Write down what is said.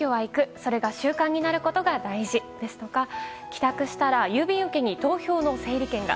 それが習慣になることが大事ですとか帰宅したら郵便受けに投票の整理券が。